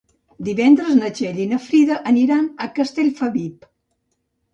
Divendres na Txell i na Frida aniran a Castellfabib.